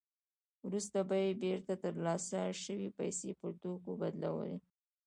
وروسته به یې بېرته ترلاسه شوې پیسې په توکو بدلولې